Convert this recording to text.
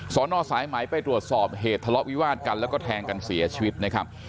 สอนอสายไหมไปตรวจสอบเหตุทะเลาะวิวาดกันแล้วก็แทงกันเสียชีวิตนะครับ